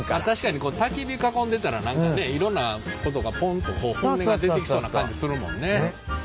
確かにたき火囲んでたら何かねいろんなことがポンと本音が出てきそうな感じするもんね。